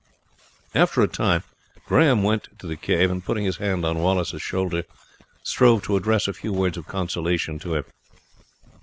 After a time Grahame went to the cave, and putting his hand on Wallace's shoulder strove to address a few words of consolation to him.